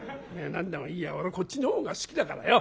「何でもいいや俺こっちの方が好きだからよ。